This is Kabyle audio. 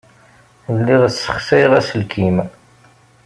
Lliɣ ssexsayeɣ aselkim.